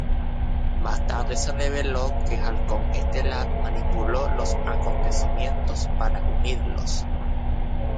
Más tarde se reveló que Halcón Estelar manipuló los acontecimientos para unirlos.